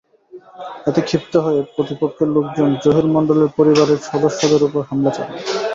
এতে ক্ষিপ্ত হয়ে প্রতিপক্ষের লোকজন জহির মণ্ডলের পরিবারের সদস্যদের ওপর হামলা চালান।